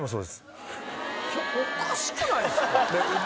おかしくないですか？